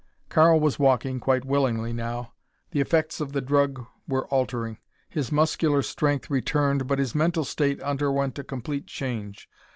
Karl was walking, quite willingly now. The effects of the drug were altering. His muscular strength returned but his mental state underwent a complete change.